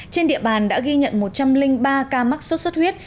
trên địa bàn đã ghi nhận một trăm linh ba ca mắc sốt xuất huyết